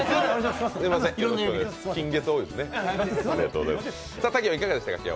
金月、多いですね。